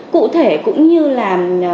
cụ thể cũng như là